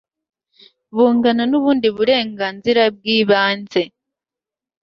bungana n'ubundi burenganzira bw'ibanze